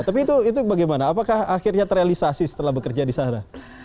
tapi itu bagaimana apakah akhirnya terrealisasi setelah bekerja di sana